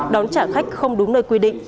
đón trả khách không đúng nơi quy định